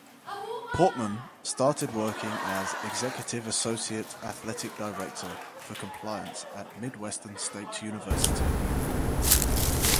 Portmann started working as Executive Associate Athletic Director for Compliance at Midwestern State University.